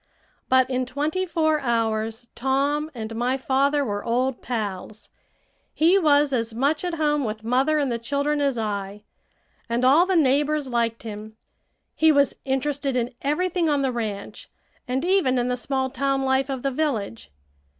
But in twenty four hours Tom and my father were old pals. He was as much at home with mother and the children as I, and all the neighbors liked him. He was interested in everything on the ranch, and even in the small town life of the village.